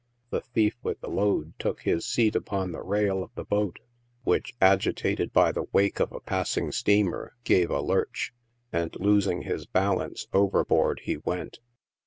The thief with the load took his seat upon the rail of the boat, which, agitated by the wake of a passing steamer, gave a lurch, and losing his balance, over board he went.